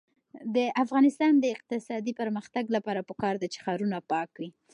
د افغانستان د اقتصادي پرمختګ لپاره پکار ده چې ښارونه پاک وي.